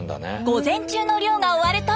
午前中の漁が終わると。